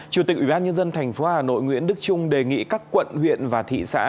chủ tịch ủy ban nhân dân tp hà nội nguyễn đức trung đề nghị các quận huyện và thị xã